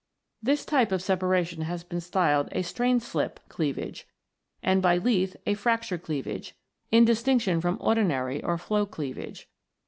This type of separation has been styled a strain slip cleavage, and by Leith a, fracture cleavage, in distinc tion from ordinary or flow cleavage.